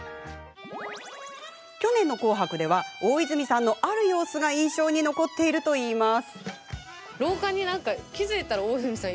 昨年の「紅白」では大泉さんのある様子が印象に残っているといいます。